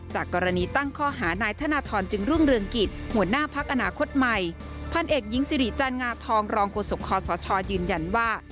จากกรณีตั้งข้อหานายทนทรจึงรุ่งเรืองกิจหัวหน้าภักดีอนาคตใหม่พากรสชยฬิจานงทองรองกฎศพยืนยันว่า